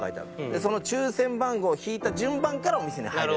でその抽選番号を引いた順番からお店に入れる。